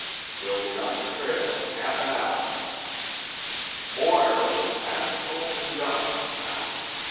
We'll be on the trail in half an hour." Moir was masterful and dominant now.